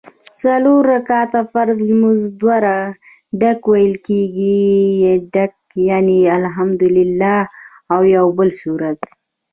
څلور رکعته فرض لمونځ دوه ډک ویل کېږي ډک یعني الحمدوالله او یوبل سورت